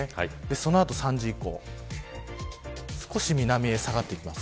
その後３時以降少し南へ下がっていきます。